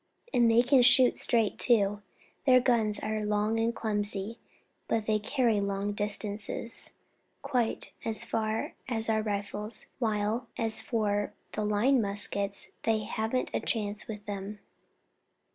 And they can shoot straight, too; their guns are long and clumsy, but they carry long distances quite as far as our rifles, while, as for the line muskets, they haven't a chance with them."